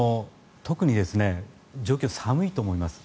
特に状況寒いと思います。